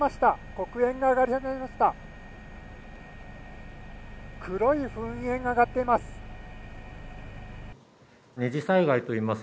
黒い噴煙が上がっています。